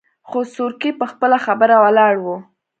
خو سورکی په خپله خبره ولاړ و.